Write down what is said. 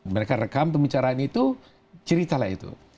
mereka rekam pembicaraan itu cerita lah itu